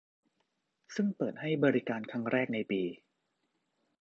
ซึ่งเปิดให้บริการครั้งแรกในปี